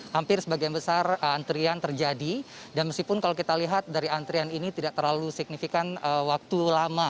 hampir sebagian besar antrian terjadi dan meskipun kalau kita lihat dari antrian ini tidak terlalu signifikan waktu lama